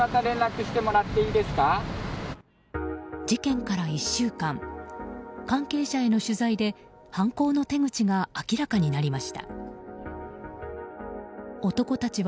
事件から１週間関係者への取材で犯行の手口が明らかになりました。